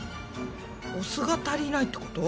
お酢が足りないってこと？